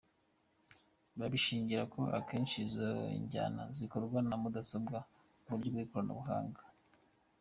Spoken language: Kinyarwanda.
Babishingira ko akenshi izo njyana zikorwa na mudasobwa, mu buryo bw’ikoranabuhanga.